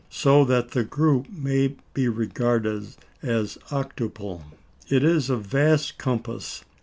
So that the group may be regarded as octuple. It is of vast compass.